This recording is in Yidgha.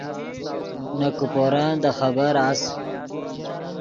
نے کیپورن دے خبر اس